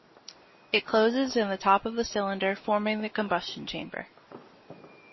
It closes in the top of the cylinder, forming the combustion chamber.